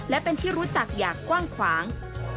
และเป็นที่รู้จักอย่างกว้างขวาง